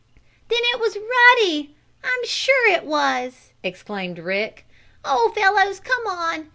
"] "Then it was Ruddy I'm sure it was!" exclaimed Rick. "Oh, fellows, come on!